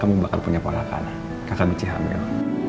kamu bakal punya porakan kakak michi hamil